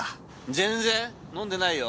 全然飲んでないよ。